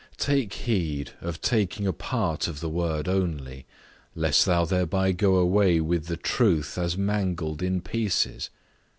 Take heed of taking a part of the Word only, lest thou thereby go away with the truth as mangled in pieces.